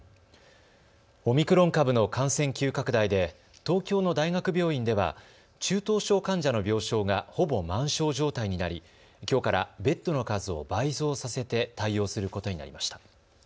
オミクロン株の感染急拡大で東京の大学病院では中等症患者の病床がほぼ満床状態になりきょうからベッドの数を倍増させて対応することになりました。